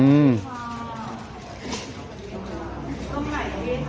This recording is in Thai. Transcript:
อืม